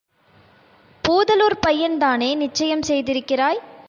பூதலூர்ப் பையன்தானே நிச்சயம் செய்திருக்கிறாய்?